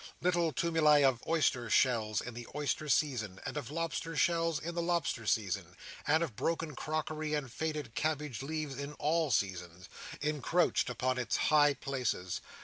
Little tumuli of oyster shells in the oyster season, and of lobster shells in the lobster season, and of broken crockery and faded cabbage leaves in all seasons, encroached upon its high places.